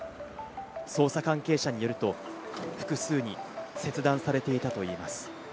捜査関係者によると、複数に切断されていたといいます。